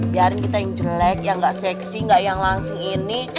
biarin kita yang jelek yang nggak seksi nggak yang langsung ini